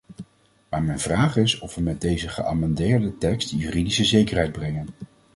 Maar mijn vraag is of we met deze geamendeerde tekst juridische zekerheid brengen.